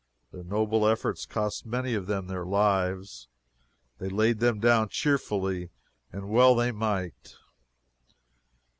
Their noble efforts cost many of them their lives. They laid them down cheerfully, and well they might.